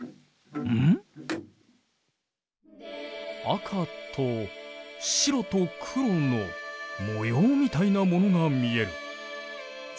赤と白と黒の模様みたいなものが見える。